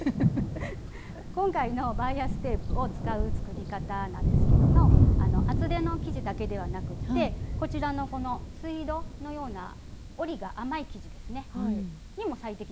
今回のバイアステープを使う作り方なんですけども厚手の生地だけではなくってこちらのこのツイードのような織りが甘い生地ですねにも最適なんですね。